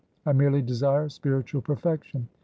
I merely desire spiritual perfection.